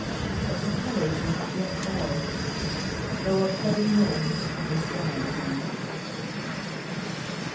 . but the colours are not yet dull, though a cutting wind is drying them.